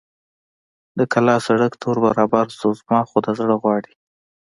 د کلا سړک ته ور برابر شو، زما خو دا زړه غواړي.